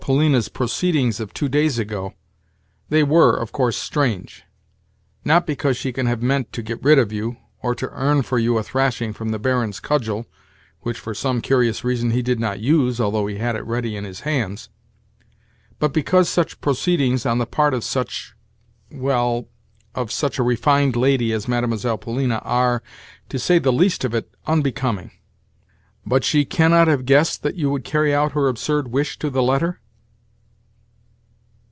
Polina's proceedings of two days ago, they were, of course, strange; not because she can have meant to get rid of you, or to earn for you a thrashing from the Baron's cudgel (which for some curious reason, he did not use, although he had it ready in his hands), but because such proceedings on the part of such—well, of such a refined lady as Mlle. Polina are, to say the least of it, unbecoming. But she cannot have guessed that you would carry out her absurd wish to the letter?"